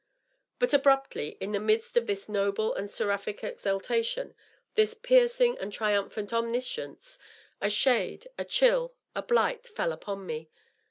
But abruptly, in the midst of this noble and seraphic exaltation, this piercing and triumphant omniscience, a shade, a chill, a blight, fell upon me.